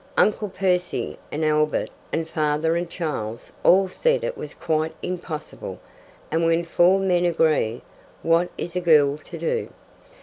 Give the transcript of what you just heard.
Uncle Percy and Albert and father and Charles all said it was quite impossible, and when four men agree, what is a girl to do?